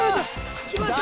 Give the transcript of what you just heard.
きました！